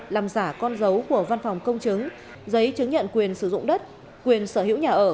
làm giả con dấu của văn phòng công chứng giấy chứng nhận quyền sử dụng đất quyền sở hữu nhà ở